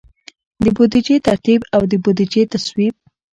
د بودیجې ترتیب او د بودیجې تصویب.